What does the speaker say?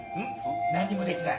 何もできない。